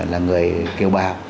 là người kiều bào